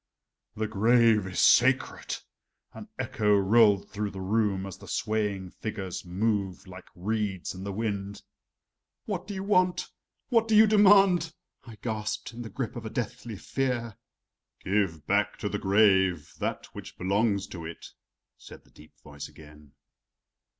"The grave is sacred!" an echo rolled through the room as the swaying figures moved like reeds in the wind. "What do you want? What do you demand?" I gasped in the grip of a deathly fear. "Give back to the grave that which belongs to it," said the deep voice again.